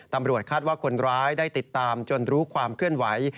ตำรวจคาดว่าคนร้ายได้ติดตามจนรู้ความเคลื่อนไหว